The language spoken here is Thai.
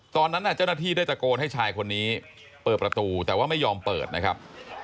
ตอนนั้นเจ้าหน้าที่ได้ตะโกนให้ชายคนนี้เปิดประตูแต่ว่าไม่ยอมเปิดนะครับ